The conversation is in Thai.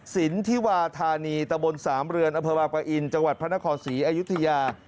สินทิวาธานีตะบล๓เรือนอภวาปะอินจังหวัดพระนครศรีอายุทธิยา